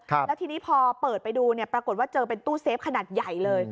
แล้วทีนี้พอเปิดไปดูเนี่ยปรากฏว่าเจอเป็นตู้เซฟขนาดใหญ่เลย